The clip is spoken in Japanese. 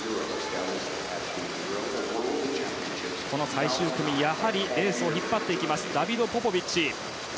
最終組、やはりレースを引っ張るダビド・ポポビッチ。